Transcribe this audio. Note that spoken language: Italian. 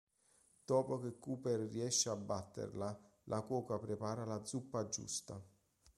Dopo che Cooper riesce a batterla la cuoca prepara la zuppa giusta.